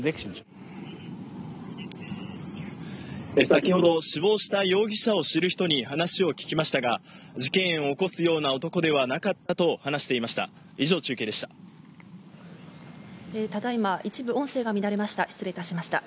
先ほど、死亡した容疑者を知る人に話を聞きましたが、事件を起こすような男ではなかったと話していました。